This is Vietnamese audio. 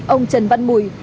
ông trần văn mùi